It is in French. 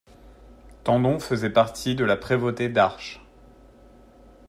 Tendon faisait partie de la prévôté d'Arches.